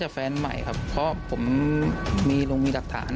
บ๊วยถามหานี่ว่า